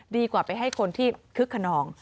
ดีกว่าไปให้คนที่คึกขนอง